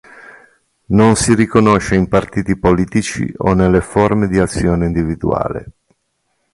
Non si riconosce in partiti politici o nelle forme di azione individuale.